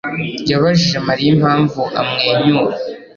yabajije Mariya impamvu amwenyura.